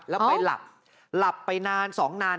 แล้วไปหลับหลับไปนานสองนาน